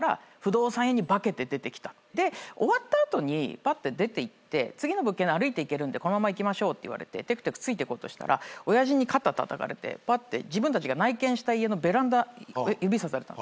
で終わった後にパッて出ていって「次の物件歩いていけるんで行きましょう」って言われててくてくついてこうとしたら親父に肩たたかれてパッて自分たちが内見した家のベランダ指さされたんですよ。